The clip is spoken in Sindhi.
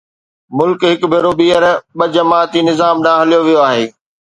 ملڪ هڪ ڀيرو ٻيهر ٻه جماعتي نظام ڏانهن هليو ويو آهي.